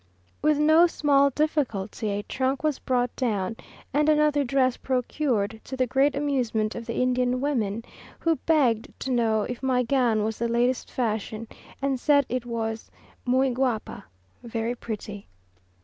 With no small difficulty a trunk was brought down, and another dress procured, to the great amusement of the Indian women, who begged to know if my gown was the last fashion, and said it was "muy guapa," very pretty.